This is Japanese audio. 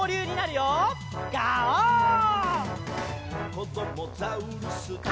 「こどもザウルス